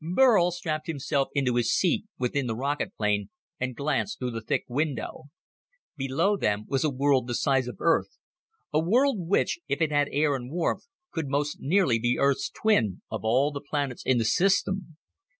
Burl strapped himself into his seat within the rocket plane and glanced through the thick window. Below them was a world the size of Earth a world which, if it had air and warmth, could most nearly be Earth's twin of all the planets in the system.